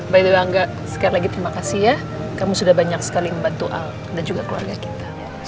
baik doang ngga sekali lagi terima kasih ya kamu sudah banyak sekali membantu al dan juga keluarga kita